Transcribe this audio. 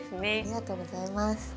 ありがとうございます。